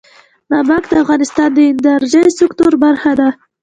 نمک د افغانستان د انرژۍ سکتور برخه ده.